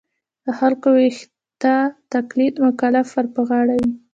د خلکو ویښتیا تلقین مکلفیت ور په غاړه وي.